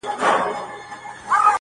موږ هغه ته وحي وکړه چي دوی به سزا وويني.